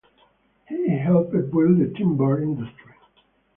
He helped build the timber industry.